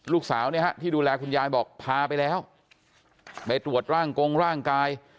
ลูกสาวเนี่ยฮะที่ดูแลคุณยายบอกพาไปแล้วไปตรวจร่างกงร่างกาย